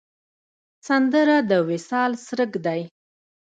سندره د وصال څرک دی